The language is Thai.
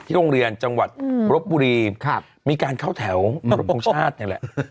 ที่โรงเรียนจังหวัดบริบุรีมีการเข้าแถวบริษัทนี่แหละ